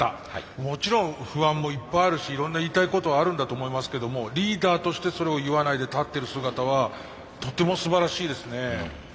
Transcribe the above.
もちろん不安もいっぱいあるしいろんな言いたいことはあるんだと思いますけどもリーダーとしてそれを言わないで立ってる姿はとてもすばらしいですね。